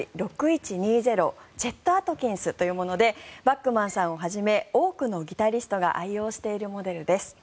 チェット・アトキンスというものでバックマンさんをはじめ多くのギタリストが愛用しているモデルです。